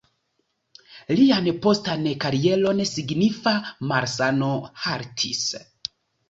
Lian postan karieron signifa malsano haltis.